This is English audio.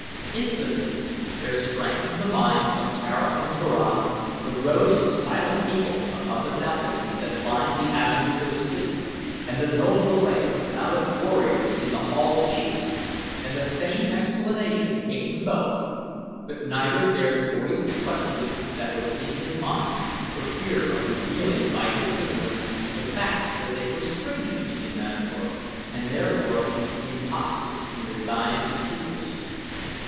Instantly there sprang to the minds of Tara and Turan the rows of silent people upon the balconies that lined the avenues of the city, and the noble array of mounted warriors in The Hall of Chiefs, and the same explanation came to both but neither dared voice the question that was in his mind, for fear of revealing by his ignorance the fact that they were strangers in Manator and therefore impostors in the guise of pupils.